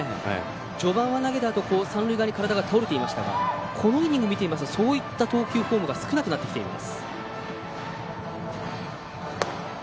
序盤は投げたあと三塁側に体が倒れていましたがこのイニングを見ていますとそういった投球フォームが少なくなっています。